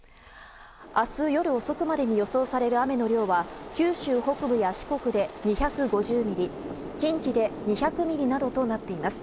明日夜遅くまでに予想される雨の量は九州北部や四国で２５０ミリ近畿で２００ミリなどとなっています。